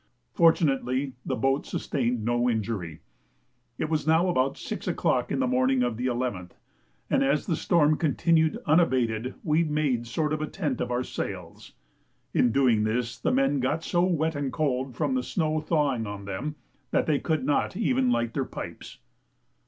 Fortunately the boat sustained no injury. It was now about 6 o'clock in the morning of the 11th, and as the storm continued unabated we made a sort of tent of our sails. In doing this the men got so wet and cold, from the snow thawing on them, that they could not even light their pipes.